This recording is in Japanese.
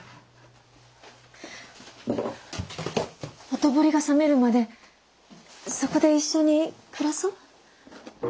ほとぼりが冷めるまでそこで一緒に暮らそう？